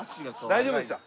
大丈夫でした。